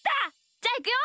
じゃあいくよ！